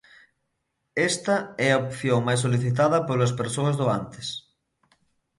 Esta é a opción máis solicitada polas persoas doantes.